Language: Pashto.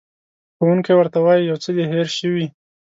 ښوونکی ورته وایي، یو څه دې هېر شوي.